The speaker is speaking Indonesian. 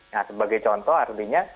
nah sebagai contoh artinya